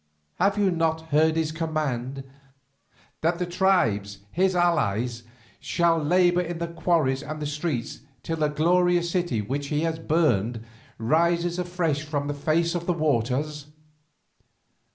Have you not heard his command, that the tribes his allies shall labour in the quarries and the streets till the glorious city which he has burned rises afresh upon the face of the waters?